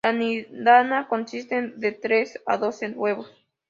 La nidada consiste de tres a doce huevos.